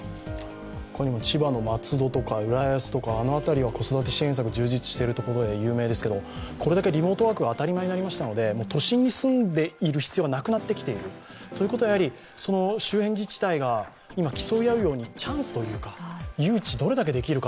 他にも千葉の松戸とか浦安とかあの辺りは子育て支援策充実しているということで有名ですけど、これだけリモートワークが当たり前になりましたので都心に住んでいる必要がなくなってきている、ということは、周辺自治体が今、競い合うようにチャンスというか、誘致、どれだけできるか。